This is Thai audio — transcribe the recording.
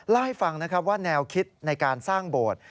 เล่าให้ฟังนะครับว่าแนวคิดในการสร้างโบสถ์